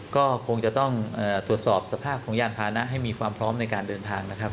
ก็คงจะต้องตรวจสอบสภาพของยานพานะให้มีความพร้อมในการเดินทางนะครับ